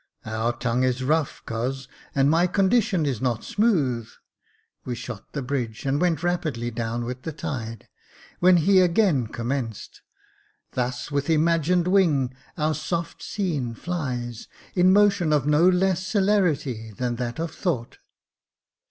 " Our tongue is rough, coz — and my condition is not smooth." We shot the bridge, and went rapidly down with the tide, when he again commenced :— "Thus with imagin'd wing our soft scene flies, In motion of no less celerity Than that of thought."